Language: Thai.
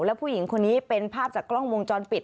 แล้วผู้หญิงคนนี้เป็นภาพจากกล้องวงจรปิด